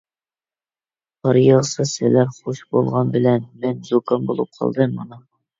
قار ياغسا سىلەر خۇش بولغان بىلەن، مەن زۇكام بولۇپ قالدىم مانا.